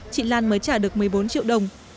chị lan mới trả được một mươi bốn triệu đồng